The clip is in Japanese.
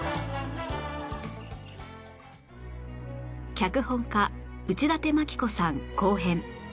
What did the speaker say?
脚本家内館牧子さん後編